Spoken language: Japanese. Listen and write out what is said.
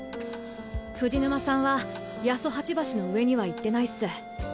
藤沼さんは八十八橋の上には行ってないっす。